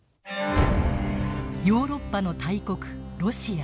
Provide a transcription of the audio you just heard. ヨーロッパの大国ロシア。